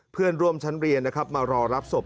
เพื่อนร่วมชั้นเรียนนะครับมารอรับศพ